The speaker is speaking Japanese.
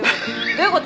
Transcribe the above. どういう事！？